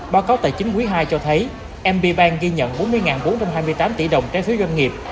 báo cáo tài chính quý ii cho thấy mb bank ghi nhận bốn mươi bốn trăm hai mươi tám tỷ đồng trái phiếu doanh nghiệp